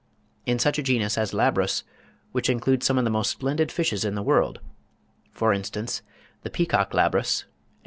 In such a genus as Labrus, which includes some of the most splendid fishes in the world—for instance, the Peacock Labrus (L.